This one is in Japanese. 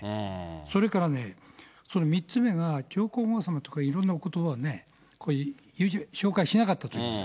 それからね、３つ目が、上皇后さまとかいろんなおことばをね、紹介しなかったと言いました。